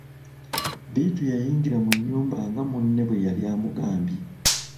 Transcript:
Bittu yayingira mu nnyumba nga munne bwe yali amugambye.